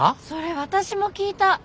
それ私も聞いた。